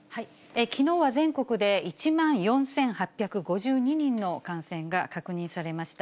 きのうは全国で１万４８５２人の感染が確認されました。